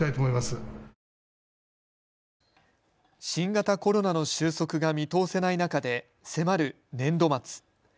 新型コロナの収束が見通せない中で迫る年度末。